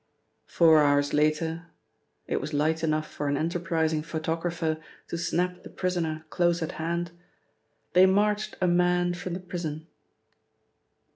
Four hours later (it was light enough for an enterprising photographer to snap the prisoner close at hand), they marched a man from the prison..